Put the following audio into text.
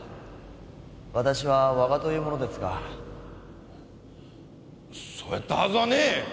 私は和賀という者ですがそやったはずはねえ